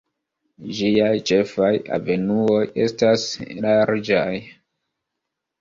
Ĝiaj ĉefaj avenuoj estas larĝaj.